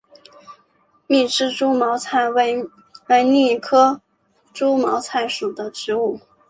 密枝猪毛菜为苋科猪毛菜属的植物。